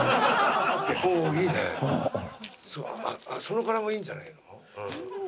その柄もいいんじゃないの？